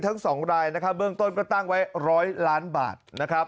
ทั้ง๒รายนะครับเบื้องต้นก็ตั้งไว้๑๐๐ล้านบาทนะครับ